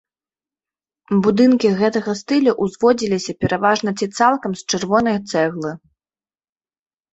Будынкі гэтага стылю ўзводзіліся пераважна ці цалкам з чырвонай цэглы.